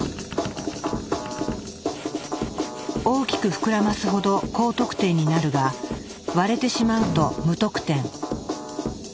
大きく膨らますほど高得点になるが割れてしまうと無得点。